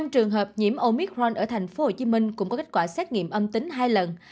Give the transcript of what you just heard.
năm trường hợp nhiễm omicron ở tp hcm cũng có kết quả xét nghiệm âm tính hai lần